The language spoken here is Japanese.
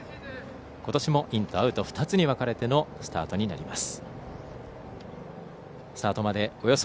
ことしもインとアウト２つに分かれてのスタートになります。